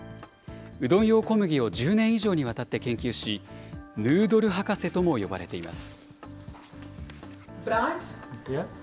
うどん用小麦を１０年以上にわたって研究し、ヌードル博士とも呼ばれています。